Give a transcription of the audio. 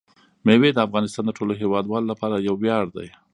مېوې د افغانستان د ټولو هیوادوالو لپاره یو ویاړ دی.